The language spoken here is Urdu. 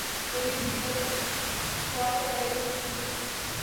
پولیس بھی جب ہوائی فائرنگ کرتی ہے۔